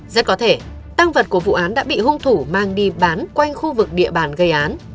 rất có thể tăng vật của vụ án đã bị hung thủ mang đi bán quanh khu vực địa bàn gây án